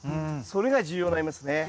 それが重要になりますね。